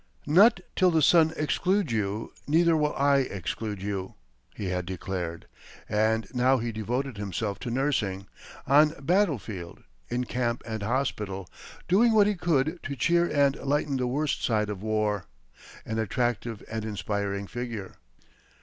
"Not till the sun excludes you, neither will I exclude you," he had declared; and now he devoted himself to nursing, on battlefield, in camp and hospital, doing what he could to cheer and lighten the worst side of war, an attractive and inspiring figure.